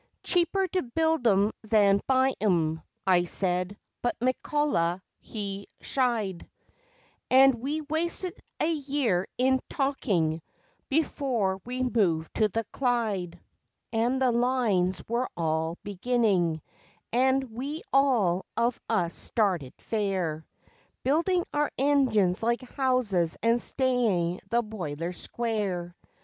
"Cheaper to build 'em than buy 'em," I said, but McCullough he shied, And we wasted a year in talking before we moved to the Clyde. And the Lines were all beginning, and we all of us started fair, Building our engines like houses and staying the boilers square.